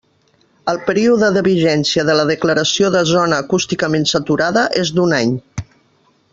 El període de vigència de la declaració de zona acústicament saturada és d'un any.